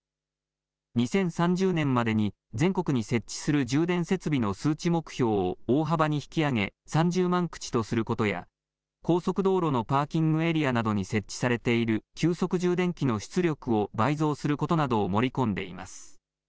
２０３０年までに全国に設置する充電設備の数値目標を大幅に引き上げ、３０万口とすることや、高速道路のパーキングエリアなどに設置されている急速充電器の出力を倍増することなどを盛り込んでいます。